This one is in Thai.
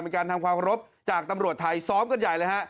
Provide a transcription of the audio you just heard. มีการทำความรบจากตำรวจไทยซ้อมกันใหญ่เลยฮะ